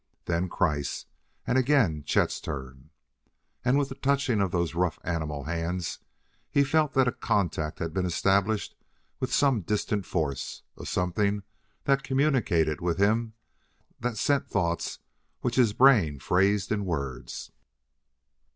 Then Kreiss; and again Chet's turn. And, with the touching of those rough animal hands, he felt that a contact had been established with some distant force a something that communicated with him, that sent thoughts which his brain phrased in words.